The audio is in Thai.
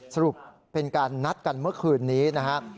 สรุปเป็นการนัดกันเมื่อคืนนี้นะครับ